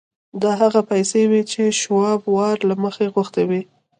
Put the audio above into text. دا هغه پیسې وې چې شواب وار له مخه غوښتي وو